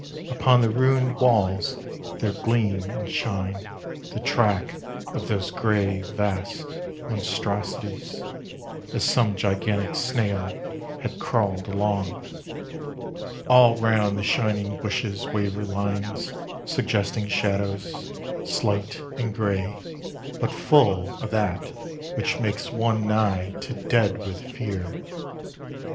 Upon the ruined walls there gleam and shine The track of those grey vast monstrosities — A i some gigantic snail had crawled along. All round the shining bushes waver lines Suggesting shadows, slight and grey, but full Of that which makes one nigh to dead with fear.